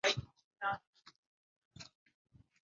results amamatokeo ya uchaguzi